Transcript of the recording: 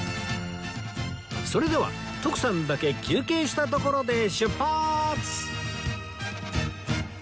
それでは徳さんだけ休憩したところで出発！